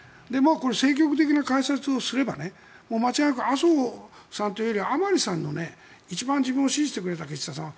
これ、政局的な解説をすれば間違いなく麻生さんというより甘利さんの一番自分を支持してくれた岸田さんは。